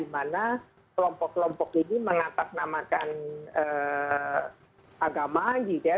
di mana kelompok kelompok ini mengatasnamakan agama gitu ya